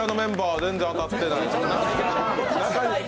全然当たってないですね。